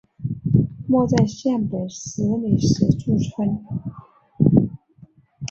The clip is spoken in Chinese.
墓在县北十里石柱村。